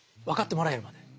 分かってもらえるまで。